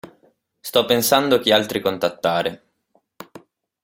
Sto pensando chi altri contattare.